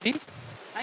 di depan rumah